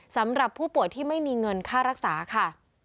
สำหรับผู้ป่วยที่ไม่มีเงินค่ารักษาค่ะ